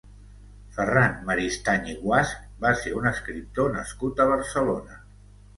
Ferran Maristany i Guasch va ser un escriptor nascut a Barcelona.